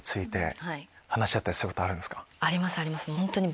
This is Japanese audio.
ありますあります。